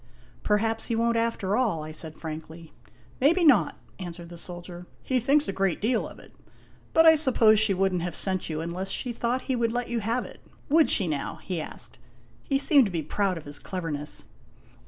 " Perhaps he won't after all," I said frankly. " Maybe not," answered the soldier; "he thinks a great deal of it. But I suppose she would n't have sent you unless she thought he would let you have it. Would she, now?" he asked. He seemed to be proud of his cleverness.